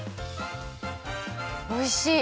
おいしい！